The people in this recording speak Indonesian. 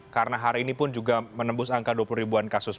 karena hari ini pun juga menembus angka dua puluh ribuan kasus